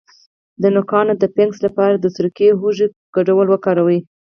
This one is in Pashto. د نوکانو د فنګس لپاره د سرکې او هوږې ګډول وکاروئ